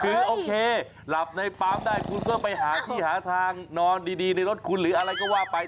คือโอเคหลับในปามได้คุณก็ไปหาที่หาทางนอนดีในรถคุณหรืออะไรก็ว่าไป